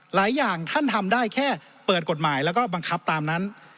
หลายอย่างท่านทำได้แค่เปิดกฎหมายแล้วก็บังคับตามนั้น